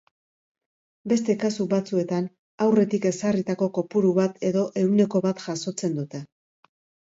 Beste kasu batzuetan, aurretik ezarritako kopuru bat edo ehuneko bat jasotzen dute.